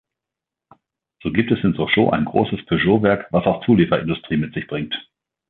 So gibt es in Sochaux ein großes Peugeot-Werk, was auch Zulieferindustrie mit sich bringt.